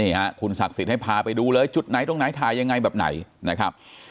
นี่ฮะคุณศักดิ์สิทธิ์ให้พาไปดูเลยจุดไหนตรงไหนถ่ายยังไงแบบไหนนะครับ